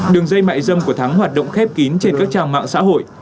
đường dây mại dâm của thắng hoạt động khép kín trên các trang mạng xã hội